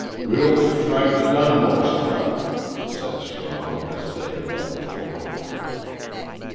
"We'll t try Dunmore's trout," said Strong as they left the shore.